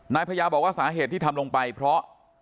นายพญาบอกว่าสาเหตุที่ทำลงไปเพราะ